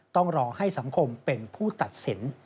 ต้องรอให้สังคมเป็นผู้ตัดสิน